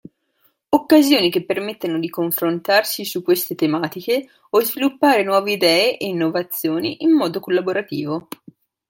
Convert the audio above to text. Occasioni che permettano di confrontarsi su queste tematiche o sviluppare nuove idee e innovazioni in modo collaborativo.